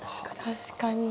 確かに。